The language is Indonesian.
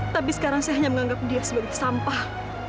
tapi sekarang saya hanya menganggap dia sebagai sampah